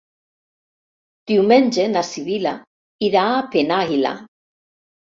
Diumenge na Sibil·la irà a Penàguila.